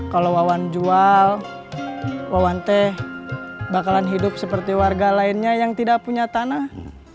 kalau wawan jual wawan teh bakalan hidup seperti warga lainnya yang tidak punya tanah